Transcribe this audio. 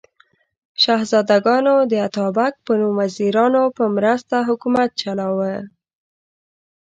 شهزادګانو د اتابک په نوم وزیرانو په مرسته حکومت چلاوه.